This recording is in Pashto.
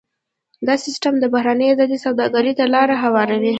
دا سیستم بهرنۍ ازادې سوداګرۍ ته لار هواروي.